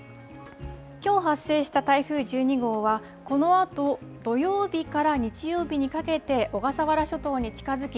きょう発生した台風１２号はこのあと土曜日から日曜日にかけて小笠原諸島に近づき